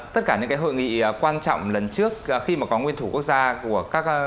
tất cả những cái hội nghị quan trọng lần trước khi mà có nguyên thủ quốc gia của các